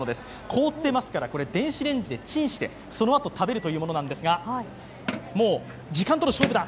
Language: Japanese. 凍っていますから電子レンジでチンして、そのあと食べるんですが、もう、時間との勝負だ。